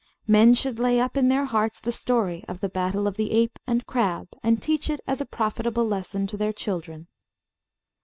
Men should lay up in their hearts the story of the Battle of the Ape and Crab, and teach it, as a profitable lesson, to their children.